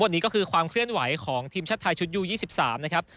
วันนี้ก็คือความเคลื่อนไหวของทีมชาติไทยชุดยู๒๓นะครับ